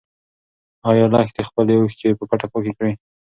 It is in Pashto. ايا لښتې خپلې اوښکې په پټه پاکې کړې؟